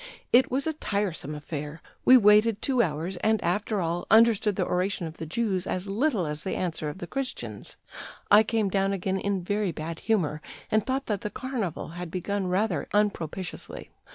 It was a tiresome affair; we waited two hours, and, after all, understood the oration of the Jews as little as the answer of the Christians. I came down again in very bad humor, and thought that the Carnival had begun rather unpropitiously.